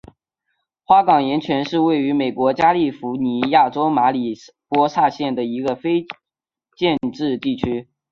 花岗岩泉是位于美国加利福尼亚州马里波萨县的一个非建制地区。